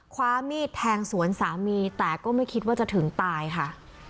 คว้ามีดแทงสวนสามีแต่ก็ไม่คิดว่าจะถึงตายค่ะ